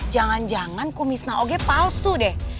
jangan jangan kumisnya og palsu deh